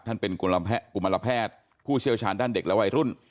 ท่านเป็นกุมารแพทย์ผู้เชี่ยวชาญด้านเด็กและวัยรุ่น